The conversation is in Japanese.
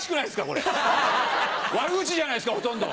これ悪口じゃないですかほとんど。